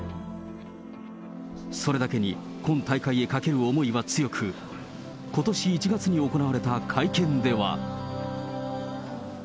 それだけに、今大会へかける思いは強く、ことし１月に行われた会見では。